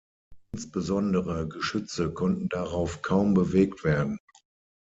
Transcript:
Insbesondere Geschütze konnten darauf kaum bewegt werden.